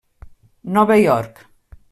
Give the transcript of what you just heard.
Nova York: